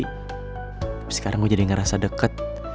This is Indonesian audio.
tapi sekarang gue jadi ngerasa deket